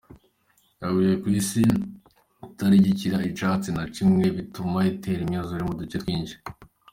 Yaguye kw'isi itarikigira icatsi na kimwe, bituma itera imyuzure mu duce twinshi.